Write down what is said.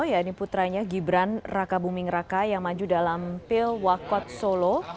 ya ini putranya gibran raka buming raka yang maju dalam pil wakot solo